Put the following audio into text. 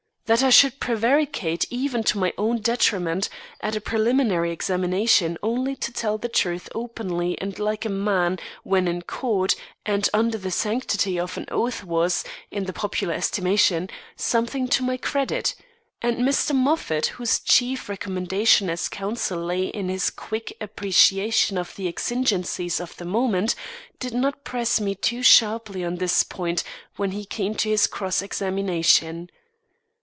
That I should prevaricate even to my own detriment, at a preliminary examination, only to tell the truth openly and like a man when in court and under the sanctity of an oath was, in the popular estimation, something to my credit; and Mr. Moffat, whose chief recommendation as counsel lay in his quick appreciation of the exigencies of the moment, did not press me too sharply on this point when he came to his cross examination.